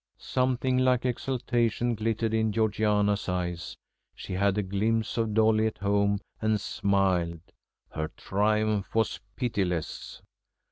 Something like exultation glittered in Georgiana's eyes. She had a glimpse of Dolly at home and smiled; her triumph was pitiless.